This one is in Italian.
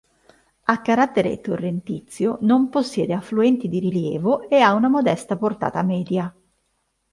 A carattere torrentizio, non possiede affluenti di rilievo e ha una modesta portata media.